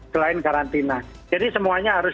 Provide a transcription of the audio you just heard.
selain karantina jadi semuanya harus